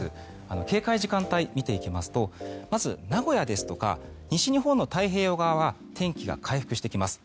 警戒時間帯を見ていきますとまず、名古屋ですとか西日本の太平洋側は天気が回復してきます。